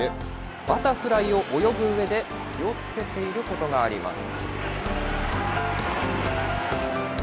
バタフライを泳ぐうえで、気をつけていることがあります。